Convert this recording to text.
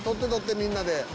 みんなで。